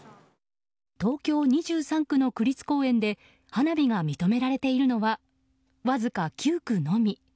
東京２３区の区立公園で花火が認められているのはわずか９区のみ。